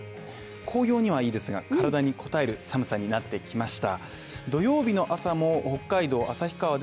紅葉にはいいですが、体にこたえる寒さになってきました。